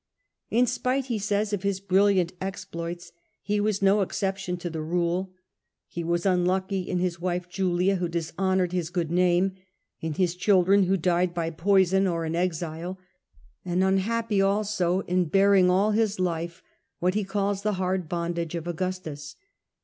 In spite, he says, of his brilliant ex ploits he was no exception to the rule. He was un lucky in his wife Julia, who dishonoured his good name; in his children, who died by poison or in exile ; and un happy also in bearing all his life what he calls the hard bondage of Augustus.